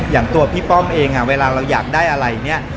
อย่างตัวพี่ป้อมเองเวลาเราอยากได้อะไรเนี่ย